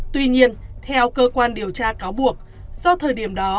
tuy nhiên theo cơ quan điều tra cáo buộc do thời điểm đó